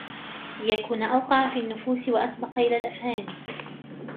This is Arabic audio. لِيَكُونَ أَوْقَعَ فِي النُّفُوسِ وَأَسْبَقَ إلَى الْأَفْهَامِ